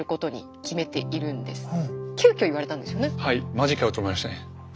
マジかよと思いましたね。